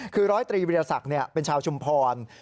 คือร้อยตรีวิทยาศักดิ์เป็นชาวชุมพร